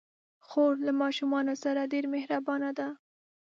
خور له ماشومانو سره ډېر مهربانه ده.